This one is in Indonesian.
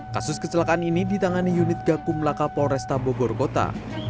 kasus kecelakaan ini ditangani unit gakum laka polresta bogor kota